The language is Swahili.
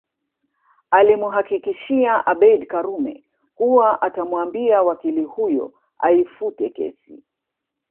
Alimuhakikishia Abeid Karume kuwa atamwambia wakili huyo aifute kesi